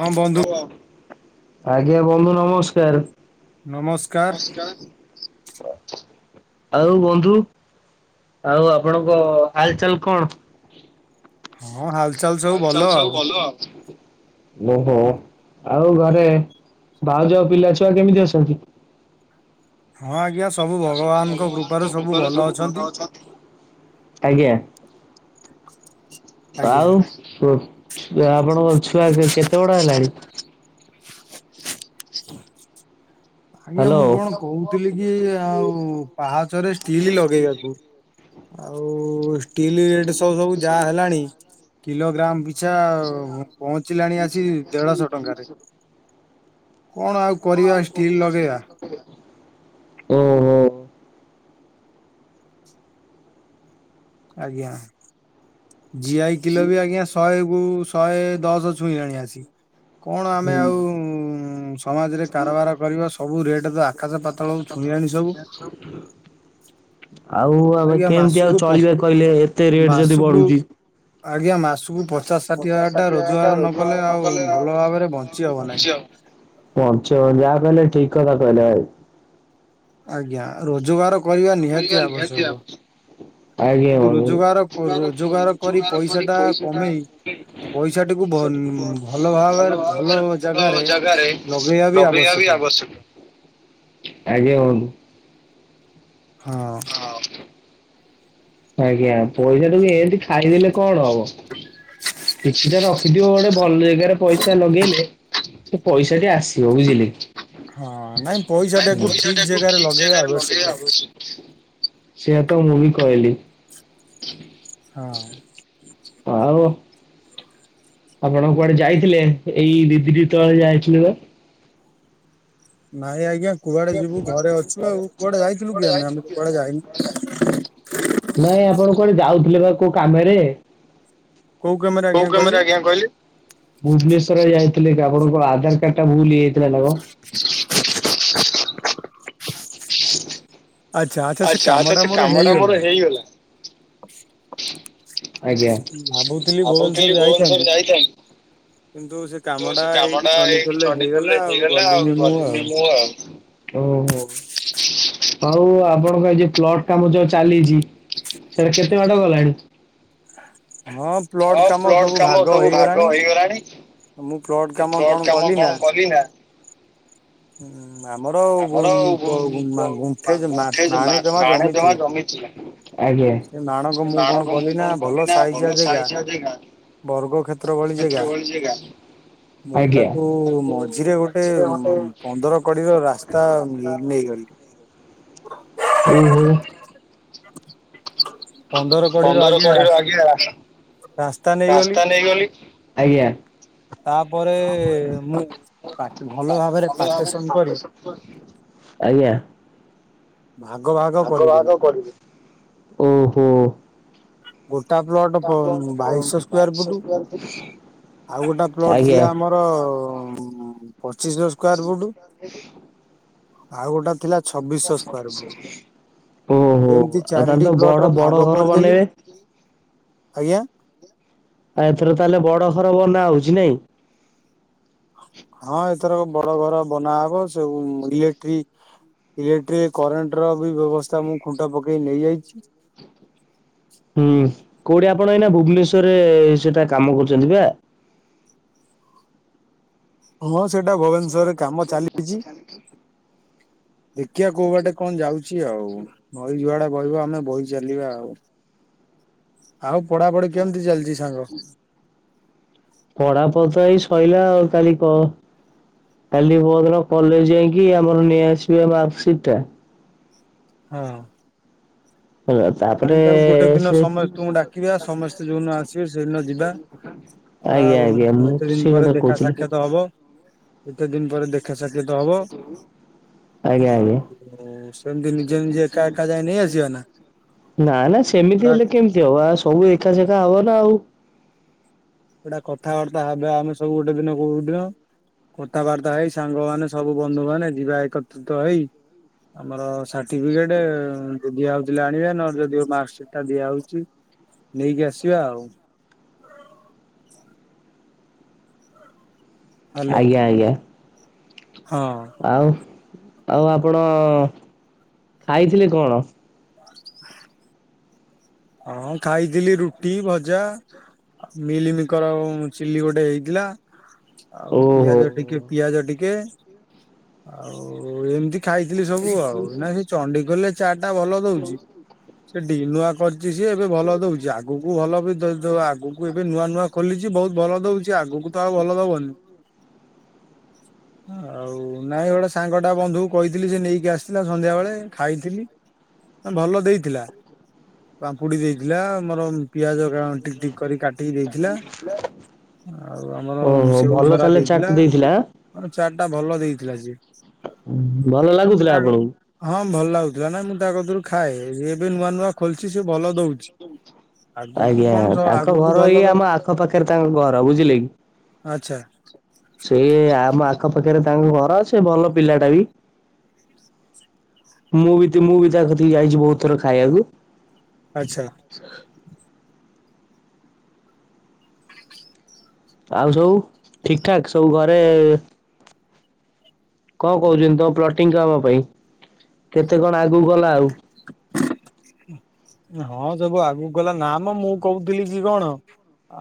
ହଁ ବନ୍ଧୁ ଆଜ୍ଞା ବନ୍ଧୁ ନମସ୍କାର। ନମସ୍କାର। ଆଉ ବନ୍ଧୁ? ଆଉ ଆପଣଙ୍କ ହାଲଚଲ କଣ? ହଁ ହାଲଚାଲ ସବୁ ହଲ ଭଲ ଚାଲ ଆଉ। ସବୁ ଭଲ ଆଉ। ଓହୋ ଆଉ ଘରେ, ଭାଉଜ, ପିଲାଛୁଆ, କେମିତି ଅଛନ୍ତି? ହଁ ଆଜ୍ଞା ସବୁ ଭଗବାନଙ୍କ କୃପାରୁ ସବୁ ଭଲ ଅଛନ୍ତି। ଆଜ୍ଞା ଆଜ୍ଞା। ଆଉ ଓ ଆପଣଙ୍କ ଛୁଆ କେତେ ବଡ ହେଲାଣି? ଷ୍ଟ [unintelligible] ଆଜ୍ଞା ମୁଁ କଣ କହୁଥିଲି କି ଆଉ ପାହାଚରେ ଷ୍ଟିଲ୍ ଲଗେଇବାକୁ। ଆଉ ଷ୍ଟିଲ ରେଟ ସବୁ ସବୁ ଯାହା ହେଲାଣି କିଲୋଗ୍ରାମ ପିଛା ପହଞ୍ଚିଲାଣି ଆସିକି ଦେଢଶହ ଟଙ୍କାରେ। କଣ ଆଉ କରିବା ଷ୍ଟିଲ୍ ଲଗେଇବା। ହୁଁ [inaudible] ଆଜ୍ଞା ଜିଆଇ କିଲ ବି ଆଜ୍ଞା ଶହେ କୁ ଶହେଦଶ ଛୁଇଁଲାଣି ଆସି କଣ ଆମେ ଆଉ ସମାଜରେ କାରବାର କରିବ ସବୁ ରେଟତା ଆକାଶ ପାାତଳକୁ ଛୁଇଁଲାଣି ସବୁ। ସଛପ [inaudible] ଆଉ ଆମେ ଆଜ୍ଞା କେମିତି ଆଉ ମାସକୁ ପ ଚଳିବା କହିଲେ ଏତେ ରେଟ ଯଦି ମାସକୁ ବଢୁଛି? ଆଜ୍ଞା ମାସକୁ ପଚାଶ ଷାଠିଏ ହଜାର ଟା ରୋଜଗାର ନ କଲେ ଆଉ ଭଲ ଭାବରେ ବଞ୍ଚି ହବ ନାହିଁ। ବଞ୍ଚି ହବନି ଯାହା କହିଲେ ଠିକ କଥା କହିଲେ ଭାଇ। ଆଜ୍ଞା ରୋଜଗାର କରିବା ନିହାତି ଆବଶ୍ୟକ। ଆଜ୍ଞା କିନ୍ତୁ ବନ୍ଧୁ। ରୋଜଗାର ସେ ଭଲ ରୋଜଗାର କରି ପଇସା ଟା କମେଇ ପଇସାଟିକୁ ଭ ଭାବରେ ଭଲ ଜାଗାରେ ଲଗେଇବା ବି ଆବଶ୍ୟକ ଆଜ୍ଞା ବଂଧୁ। ହଁ। ହଁ। ଆଜ୍ଞା ପଇସା ଟାକୁ ଏମିତି ଖାଇଦେଲେ କଣ ହବ କିଛିଟା ରଖିଥିବ ଗୋଟେ ଭଲ ଜାଗାରେ ପଇସା ଲଗେଇଲେ ସେ ପଇସା ଟି ଆସିବ ବୁଝିଲେ କି। ହଁ ପଇସା ନାଇଁ ଟାକୁ ପଇସା ଠିକ ଟାକୁ ଜାଗାରେ ଠିକ୍ ଲଗେଇବା ଜାଗାରେ ଆବଶ୍ୟକ ଲଗେଇବା ଆବଶ୍ୟକ। ସେଇଆ ତ ମୁଁ ବି କହିଲି। ହ [unintelligible] ହଁ। ଆଓ ଆପଣ କୁଆଡେ ଯାଇଥିଲେ ଏଇ ଦି ଦିନି ତଳେ ଯାଇଥିଲେ ବା? ନାଇଁ ଆଜ୍ଞା କୁଆଡେ ଯିବୁ ଘରେ ଅଛୁ ଆଉ କୁଆଡେ ଯାଇଥିଲୁ କି ଆମେ ଆମେ କୁଆଡେ ଯାଇନୁ। ନାଇଁ ଆପଣ କୁଆଡେ ଯାଉଥିଲେ ବା କୋଉ କାମରେ? କୋଉ କାମରେ ଆଜ୍ଞା କହିଲେ? ଭୁବନେଶ୍ଵରରେ ଯାଇଥିଲେ କା ଆପଣଙ୍କର ଆଧାର କାର୍ଡ ଟା ଭୁଲ ହେଇଯାଇଥିଲା ନା କଣ? ଆଚ୍ଛା ଆଚ୍ଛା ସେ ଆଛା ଆଚ୍ଛା କାମଟା ସେ ମୋର କାମ ଟା ମୋର ହେଇଗଲା। ଭୁବନେଶ୍ଵର ଭାବୁଥିଲି ଯାଇଥାନ୍ତି। ଭୁବନେଶ୍ଵର ଯାଇଥାଆନ୍ତି କିନ୍ତୁ ଯୋଉ କାମଟା ସେ କାମ ଏଇଠି ଟା ଏଇକି ଚଣ୍ଡିଖୋଲରେ ଛଣ୍ଡିଖୋଲ ହେଇଗଲା ରେ ହେଇଗଲା ଆଉ ମୁଁ ଗଲିନି ମୁଁ ଆଉ। ଓହୋ ଆଉ ଆପଣ ଙ୍କର ଆଜି ପ୍ଲଟ କାମ ଯୋଉ ଚାଲିଛି ସେଇଟା କେତେ ବାଟ ଗଲାଣି? ହଁ ପ୍ଲଟ କାମ ସବୁ ଭାଗ ହେଇଗଲାଣି। ମୁଁ ପ୍ଲଟ କାମ କଣ କଲି ନା ହଁ ଆମରଉ ଗୁ-ଗ ମା ଗୁଣ୍ଠେ ମା ମାଣେ ଜମା ଜମି ଥିଲା। ଆଜ୍ଞା ସେ ମାଣକୁ ମୁଁ କଣ କଲି ନା ଭଲ ସାଇଯିଆ ଜେଗା। ବର୍ଗ କ୍ଷେତ୍ର ଭଳି ଜେଗା। ମୁଁ ଆଜ୍ଞା ତାକୁ ମଝିରେ ଗୋଟେ ଉମ୍ ପନ୍ଦର କଡିର ରାସ୍ତା ଉ ନେଇଗଲି। ଓହୋ। ପନ୍ଦର କଡିର ପନ୍ଦର ଆଜ୍ଞା କଡି ର ରାସ୍ ଆଜ୍ଞା ରାସ୍ତା ନେ ରାସ୍ତା ନେଇଗଲି ତାପରେ-ଏ-ଏ-ଏ ମୁଁ ପା ଭଲ ଭାବରେ ପାଟେସେନ କରି ଆଜ୍ଞା। ଭାଗ ଭାଗ ଭାଗ କରିଦେଲି ଭାଗ କରିବି। ଗୋଟା ପ୍ଲଟ ବ-ଅ-ଅ-ଅ ବାଇଶ ସ୍କ୍ୱେୟାର ଫୁଟୁ। ଆଉ ଗୋଟେ ପ୍ଲଟ ଆଜ୍ଞା ଥିଲା ଆମର-ଅ-ଅ-ଅ-ମ୍ ପଚିଶଶହ ସ୍କ୍ଵେର ଫୁଟୁ ଆଉ ଗୋଟେ ଥିଲା ଛବିଶଶ ସ୍କ୍ଵେର ଫୁଟୁ। ଓହୋ ଏମିତି ଆଉ ତାହେଲେ ତ ଚାରିଟି ବଡ ପ୍ଲଟ ରେ ବଡ ଭାଗ ଘର କରିଦେଲି ବନେଇବେ। ଆଜ୍ଞା। ଆଉ ଏଥର ତାହେଲେ ବଡ ଘର ବନା ହଉଛି ନାଇଁ? ହଁ ଏଥର ବଡ ଘର ବନାହବ ସବୁ ଇଲେକ୍ଟ୍ରିକ ଇଲେକ୍ଟ୍ରି କରେଣ୍ଟ ର ବି ବ୍ୟବସ୍ଥା ମୁଁ ଖୁଣ୍ଟ ପକେଇ ନେଇଆଇଛି। ହୁଁ କୋଉଠି ଆପଣ ଏଇନା ଭୁବନେଶ୍ୱରରେ-ଏ-ଏ-ଏ ସେଟା କାମ କରୁଛନ୍ତି ବା? ହଁ ସେଇଟା ଭୁବନେଶ୍ୱରରେ କାମ ଚାଲିଛି। ଦେଖିିବା କୋଉ ବାଟେ କଣ ଯାଉଛି ଆଉ ବହି ଯୁଆଡେ ବହିବ ଆମେ ବହି ଚାଲିବା ଆଉ ଆଉ ପଢାପଢି କେମିତି ଚାଲିଛି ସାଙ୍ଗ? ପଢ଼ ପଢ଼ି ତ ଏଇ ସାଇଲା ଆଉ କାଲି କଣ କାଲି ପରଦିନ କଲେଜ ଯାଇକି ଆମର ନେଇଆସିବା ମାର୍କସିଟ ଟା। ହଁ ହେଲା ନାଇଁ ତାପରେ ତାକୁ ଗୋଟେ ଦିନ ସେ ସମସ୍ତଙ୍କୁ ଆଜ୍ଞା ଡାକିବା ସମସ୍ତେ ଯୋଉଦିନ ଆସିବେ ସେଇଦିନ ଯିବା। ପଳା ଆଜ୍ଞା ମୁଁ ଏତେ ଦିନ ସେଇ କଥା କହୁଥିଲି। କେତେ ଦିନ ପରେ ଦେଖା ସାକ୍ଷାତ ହବ। ଆଜ୍ଞା ଆଜ୍ଞା। ଆଉ ସେମତି ନିଜେ ନିଜେ ଏକା ଏକା ଯାଇ ନେଇ ଆସିବା ନା? ନା ନା ସେମିତି ଗୋଟା ହେଲେ କେମିତି ହବ ଆଉ ସବୁ ଦେଖା ଶେଖା ହବ ନା ଆଉ। ଗୋଟା କଥାବାର୍ତ୍ତା ହବା ଆମେ ସବୁ ଗୋଟେ ଦିନ କୋଉ ଦିନ। କଥାବାର୍ତ୍ତା ହେଇ ସାଙ୍ଗମାନେ ସବୁ ବନ୍ଧୁ ମାନେ ଯିବା ଏକତ୍ରିତ ହେଇ। ଆମର ସାର୍ଟିଫିକେଟ ଦିଆ ହଉଥିଲେ ଆଣିବା ନହଲେ ଯଦି ମ ମାର୍କସିଟ ସେଟା ଦିଆ ହଉଛି ନେଇକି ଆସିବା ଆଉ। ହ୍ୟାଲୋ ଆଜ୍ଞା ଆଜ୍ଞା। ହଁ ଆଉ ଆଉ ଆପଣ ଖାଇଥିଲେ କଣ? ହଁ ଖାଇଥିଲି ରୁଟି ଭଜା। ଆଉ ମିଲିମିକର ଚିଲି ଗୋଟେ ହେଇଥିଲା। ଆଉ ପିଆଜ ଟିକେ ଓହୋ। ପିଆଜ ଟିକେ ଆଉ ଏମିତି ଖାଇଥିଲି ସବୁ ଆଉ ନା ସେ ଚଣ୍ଡି ଖୋଲ ରେ ଚାଟ୍ ଟା ଭଲ ଦଉଛି ସେଠି ନୁଆ କରିଛି ସିଏ ଏବେ ଭଲ ଦଉଛି ଆ ଆଗକୁ ଭଲ ବି ଆଗକୁ ଏବେ ନୂଆ ନୂଆ ଖୋଲିଛି ବହୁତ ଭଲ ଦଉଛି ଆଗକୁ ତ ଆଉ ଭଲ ଦବନି। ଆଉ ନାଇଁ ଗୋଟେ ସାଙ୍ଗଟା ବନ୍ଧୁକୁ କହିଥିଲି ସେ ନେଇକି ଆସି ଥିଲା ସନ୍ଧ୍ୟା ବେଳେ ଖାଇଥିଲି ଭଲ ଦେଇଥିଲା। ପାମ୍ପୁଡି ଦେଇଥିଲା ଆମର ପିଆଜ ଟିକ ଟିକ କରି କାଟିକି ଦେଇଥିଲା ଆଉ ଆମର ଓହୋ ସେଉ ଭଲ ଝରା ତାହେଲେ ଚାଟ୍ ଦେଇଥିଲା। ହଁ ଚାଟ ଟା ଭଲ ଦେଇଥିଲା ଶେ। ଭଲ ଲାଗୁଥିଲା ଆପଣଙ୍କୁ? ହଁ ଭଲ ଲାଗୁଥିଲା ନାଇଁ ମୁଁ ତା କ ଦରୁ ଖାଏ। ଏବେ ନୂଆ ନୂଆ ଖୋୋଲିଛି ସେ ଭଲ ଦଉଛି। ଆଗକୁ ଆଜ୍ଞା କଣ ସ ତାଙ୍କ ଆଗକୁ ଘର ଭଲ ଇ ଦ ଆମ ଆଖ ପାାଖରେ ତାଙ୍କ ଘର ବୁଝିଲେ କି? ଆଚ୍ଛା ସେ ଆମ ଆଖ ପାାଖରେ ତାଙ୍କ ଘର ସେ ଭଲ ପିଲା ଟା ବି। ମୁଁ ବି ମୁଁ ବି ତାକୁିକି ଯାଇଛି ବହୁତ ଥର ଖାଇବାକୁ। ଆଛା ଆଉ ସବୁ ଠିକ ଠାକ ସବୁ ଘରେ କଣ କହୁଛନ୍ତି ତମ ପ୍ଲଟିଂ କାମ ପାଇଁ କେତେ କଣ ଆଗକୁ ଗଲା ଆଉ? ହ ହଁ ସବୁ ଆଗକୁ ଗଲା ନାମ ମୁଁ କହୁଥିଲି କି କଣ?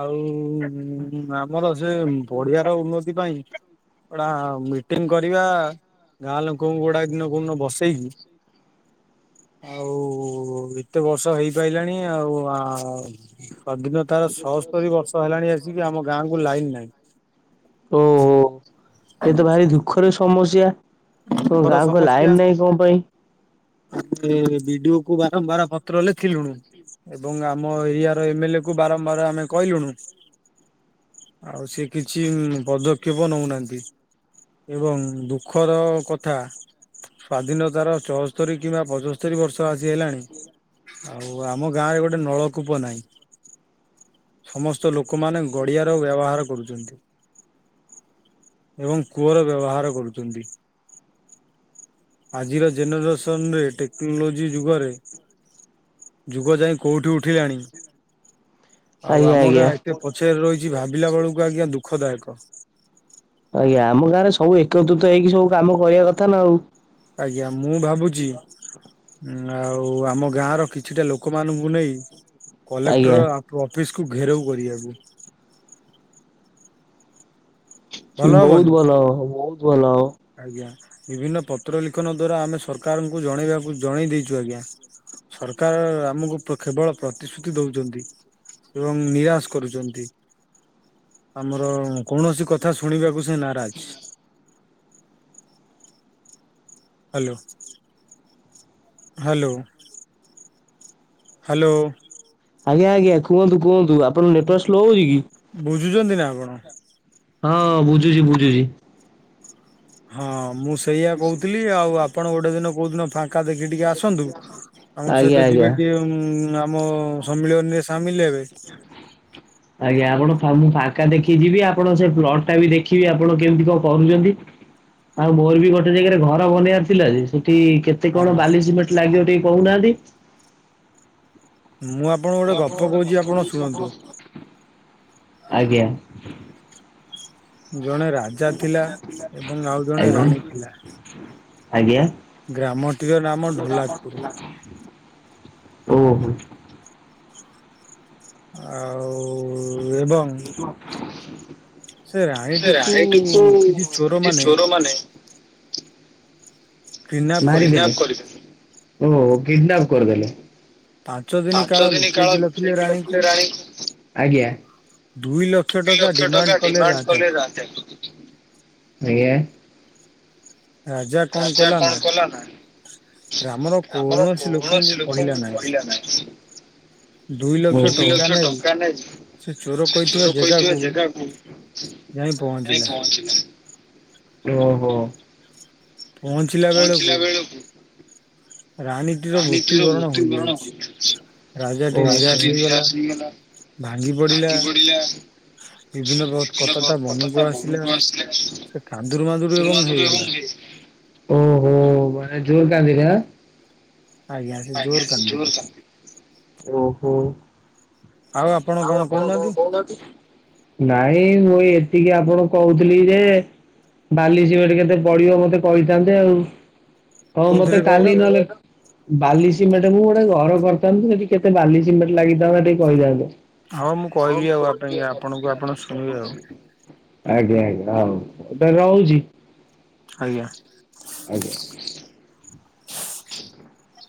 ଆଉ ହୁଁ ଆମର ସେ ପଡିଆ ର ଉନ୍ନତି ପାଇଁ ଗଟା ମିଟିଂ କରିବା ଗାଁ ଲୋକଙ୍କୁ ଗୁଡା ଦିନ କୋଉ ଦିନ ବସେଇକି ଆଉ ଏତେ ବର୍ଷ ହେଇପାରିଲାଣି ଆଉ [unintelligible] ତାର ସଅସ୍ତରୀ ବର୍ଷ ହେଲାଣି ଆସିକି, ଆମ ଗାଁକୁ ଲାଇନ୍ ନାହିଁ। ଓହୋ! ଏ ତ ଭାରି ଦୁଃଖରେ ସମସ୍ୟା। ତମ ଦୁଃଖର ଗାଁକୁ ଲାଇନ ସମସ୍ୟା। ନାହିଁ କଣ ପାଇଁ? ଏ ବିଡିଓ କୁ ବାରମ୍ବାର ପତ୍ର ଲେଖିଲୁଣୁ। ଏବଂ ଆମ ଏରିଆ ର ଏମ୍ ଏଲ୍ ଏ କୁ ବାରମ୍ବାର ଆମେ କହିଲୁୁଣୁ। ଆଉ ସେ କିଛି ପଦକ୍ଷେପ ନଉନାହାଁନ୍ତି ଏବଂ ଦୁଃଖ୍ ଖର କଥା। ସ୍ଵାଧୀନତାର ଚଅସ୍ତରୀ କିମ୍ବା ପଚସ୍ତରୀ ବର୍ଷ ଆସି ହେଲାଣି। ଆଉ, ଆମ ଗାଁ ରେ ଗୋଟେ ନଳକୂପ ନାହିଁ। ସମସ୍ତ ଲୋକମାନେ ଗଡିଆର ବ୍ୟବହାର କରୁଛନ୍ତି। ଏବଂ କୂଅର ବ୍ୟବହାର କରୁଚନ୍ତି। ଆଜିର ଜେନେରେସନରେ ଟେକ୍ନୋଲୋଜି ଯୁଗରେ ଯୁଗ ଯାଇ କୋଉଠି ଉଠିଲାଣି। ଆଉ, ଆଜ୍ଞା ଆମ ଗାଁ ଆଜ୍ଞା ଏତେ ପଛରେ ରହିଛି, ଭାବିଲା ବେଳକୁ ଆଜ୍ଞା ଦୁଃଖଦାୟକ। ଆଜ୍ଞା, ଆମ ଗାଁରେ ସବୁ ଏକତ୍ରୁତ ହେଇକି ସବୁ କାମ କରିବା କଥା ନା ଆଉ। ଆଜ୍ଞା, ମୁଁ ଭାବୁଛି। ହଁ, ଆଉ ଆମ ଗାଁ ର କିଛିଟା ଲୋକମାନଙ୍କୁ ନେଇ, ଆଜ୍ଞା। କଲେକ୍ଟର ଅଫିସକୁୁ ଘେରଉ କରିବାକୁ। ଭଲ ହବନି ବହୁତ ଭଲ ହ, ବହୁତ ଭଲ ହବ। ଆଜ୍ଞା, ବିଭିନ୍ନ ପତ୍ର ଲିଖନ ଦ୍ଵାରା ଆମେ ସରକାରଙ୍କୁ ଜଣେଇବାକୁ, ଜଣେଇ ଦେଇଛୁ ଆଜ୍ଞା। ସରକାର ଆମକୁ କେବଳ ପ୍ରତିଶ୍ରୁତି ଦଉଚନ୍ତି। ଏବଂ ନିରାଶ କରୁଚନ୍ତି। ଆମର କୌଣସି କଥା ଶୁଣିବାକୁ ସେ ନାରାଜ। ହ୍ୟାଲୋ। ହ୍ୟାଲୋ। ହ୍ୟାଲୋ। ଆଜ୍ଞା, ଆଜ୍ଞା, କୁହନ୍ତୁ କୁହନ୍ତୁ, ଆପଣଙ୍କ ନେଟୱାର୍କ ସ୍ଲୋ ହଉ ବୁଝୁଛନ୍ତି ନା ଆପଣ କି? ହଁ, ବୁଝୁଛି, ବୁଝୁଛି। ହଁ, ମୁଁ ସେଇଆ କହୁଥିଲି। ଆଉ ଆପଣ ଗୋଟେ ଦିନ କୋଉଦିନ ଫାଙ୍କ୍ ଏକା ଦେଖି ଟିକେ ଆସନ୍ତୁ। ଆମ ଆଜ୍ଞା ସହିତ ଆଜ୍ଞା। ଯିବେ ଟିଏ। ଉଁ, ଆମ ସମ୍ମିଳନୀରେ ସାମିଲ ହେବେ। ହ ଆଜ୍ଞା, ଆପଣ ମୁଁ ଫାଙ୍କା ଦେଖିକି ଯିବି। ଆପଣ ସେ ପ୍ଲଟ୍ ଟା ବି ଦେଖିବି, ଆପଣ କେମିତି କଣ କରୁଛନ୍ତି? ଆଉ, ମୋର ବି ଗୋଟେ ଜାଗାରେ ଘର ବନେଇବାର ଥିଲା ଯେ, ସେଠି କେତ ତେ ହଁ କଣ ବାଲି ସିମେଟ୍ ଲାଗିବ ଟିକେ କହୁନାହାଁନ୍ତି। ମୁଁ, ଆପଣଙ୍କୁ ଗୋଟେ ଗପ କହୁଛି, ଆପଣ ଶୁଣନ୍ତୁ। ଆଜ୍ଞା। ଜଣେ ରାଜା ଥିଲା। ଏବଂ ଆଉ ଜଣେ ଆଜ୍ଞା। ରାଣୀ ଥିଲା ଆଜ୍ଞା। ଗ୍ରାମଟିର ନାମ ଢୋଲାକପୁର। ଓ ହୋ! ଆଉ-ଉ ଏବଂ ସେ ସେ ରାଣୀଟିକୁ ଆଇଟିକୁୁ କିଛି ଚୋର କିଛି ଚୋର ମାନେ କିଡନାପ ମାରି କରିଦେଲେ। ଦେଲେ, ଓହୋ କିଡନାପ୍ କର୍ ଦଲେ। ଦିନ କାଳ ପାଞ୍ଚ ଦିନି କାଳ ରଖିଲେ ଲୁଚେଇକି ରାଣୀଙ୍କୁ ଲଖିଲେ ରାଣୀ ଙ୍କୁ ଆଜ୍ଞା। ଦୁଇ ଲକ୍ଷ ଦି ଲକ୍ଷ ଡିମାଣ୍ଡ ଟଙ୍କା ଡିମାଣ୍ଡ କଲେ ରାଜାକୁ। ରାଜକୁ, ଆଜ୍ଞା! ରାଜା କଣ କଲା ନା? ରାମର କୌଣସି ଲୋକଙ୍କୁ କହିଲା ନାଇଁ। ଦି ଲକ୍ଷ ଟଙ୍କା ନେଇ ଚୋର ସେ କହିଥିବା ଚୋର ପଇ ଥିବା ଜେଗାକୁ ଜାଗାକୁ ଯାଇ ପହଞ୍ଚିଲା। ଓହୋ। ପହଞ୍ଚିଲା ବେଳକୁ ରାଣୀଟିର ମୃତ୍ୟୁବରଣ ହୋଇଯାଇଛି ରାଜାଟି ଓହୋ। ନିରାଶ ହେଇଗଲା ଭାଙ୍ଗି ପଡ଼ିଲା କି ପଡ଼ିଲା ବିଭିନ୍ନ କଥାଟା ମନକୁ ଆସିଲା ସେ କାନ୍ଦୁରୁ ମାନ୍ଦୁର ଏବଂ ହେଇଗଲା। ଓହୋ ମା ଜୋଉ କାନ୍ଦିଲା ଆଜ୍ଞା ସେ ଜୋର କାନ୍ଦିଲେ। ଓହୋ। ଆଉ ଆପଣ କଣ କହୁନାହାନ୍ତି? ନାଇଁ ମୁଁ ଏ ଏତିକି ଆପଣଙ୍କୁ କହୁଥିଲି ଯେ ବାଲି ସିମେଟ୍ କେତେ ପଡ଼ିବ ମତେ କହିଥାନ୍ତେ ଆଉ ହଁ ମତେ କୋଉଥିରେ କହିଲ? କାଲି ନହେଲେ ବାଲି ସିମେଣ୍ଟ ମୁଁ ଗୋଟେ ଘର କରିଥାନ୍ତୁ ସେଠି କେତେ ବାଲି ସିମେଣ୍ଟ ଲାଗିଥାନ୍ତା ଟିକେ କହିଥାନ୍ତୁ। ହଁ ମୁଁ କହିବି ଆଉ ଆ ପାଇଁ ଆପଣଙ୍କୁ ଆପଣ ଶୁଣିବେ ଆଉ ଆଜ୍ଞା ଆଜ୍ଞା ହଉ ଏଟା ରହୁଛି। ଆଜ୍ଞା। ଆଜ୍ଞା। [inaudible]